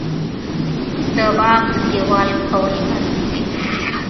د باغ دیوال کول اړین دي؟